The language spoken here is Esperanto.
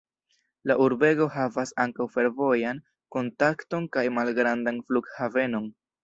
La urbego havas ankaŭ fervojan kontakton kaj malgrandan flughavenon.